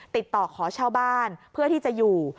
ติดต่อขอเช่าบ้านเพื่อที่จะอยู่